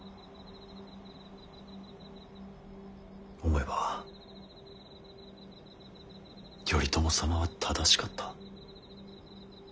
思えば頼朝様は正しかった。